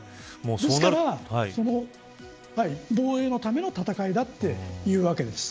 ですから防衛のための戦いだというわけです。